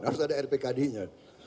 harus ada rpkad nya